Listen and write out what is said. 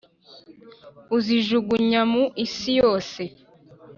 uzijugunya mu isi yose